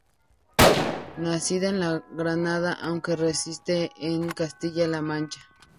Nacida en Granada, aunque residente en Castilla-La Mancha.